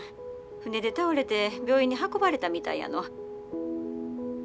船で倒れて病院に運ばれたみたいやの。